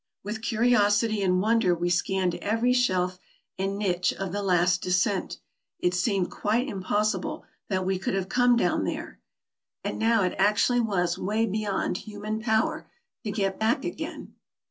With curiosity and wonder we scanned every shelf and niche of the last descent. It seemed quite impossible that we could have come down there, and now it actually was vol. vi. — 9 116 TRAVELERS AND EXPLORERS beyond human power to get back again.